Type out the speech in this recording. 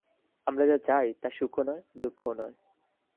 আমরা যা চাই, তা সুখও নয়, দুঃখও নয়।